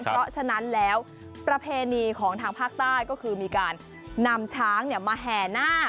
เพราะฉะนั้นแล้วประเพณีของทางภาคใต้ก็คือมีการนำช้างมาแห่หน้า